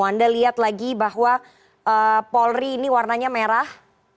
anda lihat lagi bahwa polri ini warnanya merah